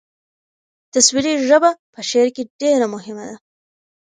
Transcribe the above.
تصویري ژبه په شعر کې ډېره مهمه ده.